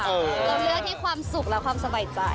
เราเลือกที่ความสุขและความสบายใจ